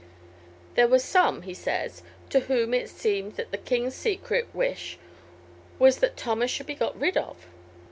"There were some," he says, "to whom it seemed that the king's secret wish was, that Thomas should be got rid of.